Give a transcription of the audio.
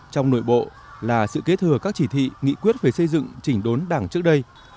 trong nội bộ là sự kế thừa các chỉ thị nghị quyết về xây dựng chỉnh đốn đảng trước đây